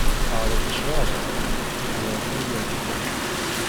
Ԑreḍ ccrab-a, teẓreḍ ma iεǧeb-am.